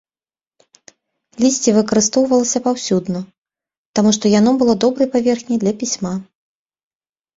Лісце выкарыстоўвалася паўсюдна, таму што яно было добрай паверхняй для пісьма.